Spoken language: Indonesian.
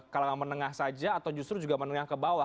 kalangan menengah saja atau justru juga menengah ke bawah